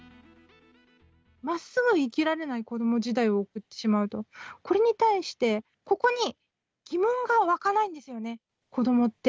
まっすぐ生きられない子ども時代を送ってしまうと、これに対して、ここに疑問がわかないんですよね、子どもって。